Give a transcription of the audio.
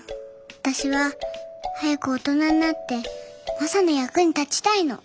私は早く大人になってマサの役に立ちたいの。